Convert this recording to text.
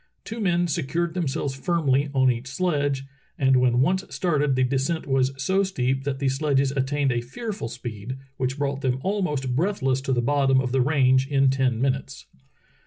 Two men secured themselves firmly on each sledge, and when once started the descent was so steep that the sledges attained a fearful speed, which brought them almost breathless to thp bottom of the range in ten minutes.